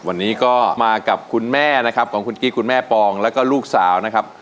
วันนี้ก็มากับคุณแม่นะครับของคุณกิ๊กคุณแม่ปองแล้วก็ลูกสาวนะครับ